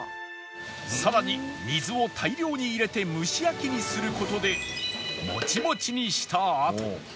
さらに水を大量に入れて蒸し焼きにする事でもちもちにしたあと